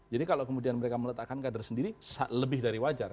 jadi kalau kemudian mereka meletakkan kader sendiri lebih dari wajar